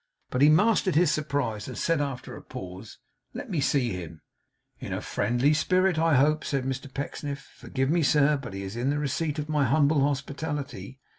But he mastered his surprise, and said, after a pause: 'Let me see him.' 'In a friendly spirit, I hope?' said Mr Pecksniff. 'Forgive me, sir but he is in the receipt of my humble hospitality.